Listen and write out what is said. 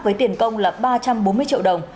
với tiền công là ba trăm bốn mươi triệu đồng